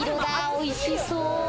おいしそう。